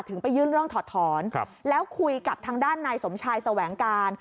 ไปยื่นเรื่องถอดถอนแล้วคุยกับทางด้านนายสมชายแสวงการ